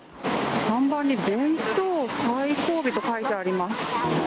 看板に弁当最後尾と書いてあります。